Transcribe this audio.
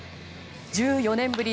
１４年ぶり